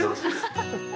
ハハハハ。